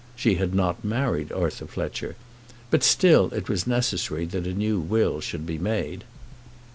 She had not married Arthur Fletcher; but still it was necessary that a new will should be made.